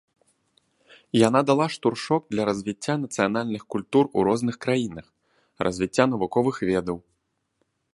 Яна дала штуршок для развіцця нацыянальных культур у розных краінах, развіцця навуковых ведаў.